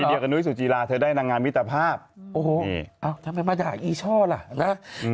เดียวกับนุ้ยสุจีราเธอได้นางงามมิตรภาพโอ้โหเอ้าทำไมมาจากอีช่อล่ะนะ